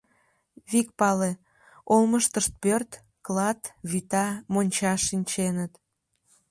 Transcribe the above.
Вик пале: олмыштышт пӧрт, клат, вӱта, монча шинченыт.